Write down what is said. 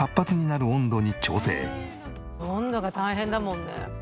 温度が大変だもんね。